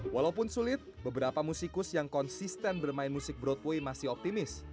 walaupun sulit beberapa musikus yang konsisten bermain musik broadway masih optimis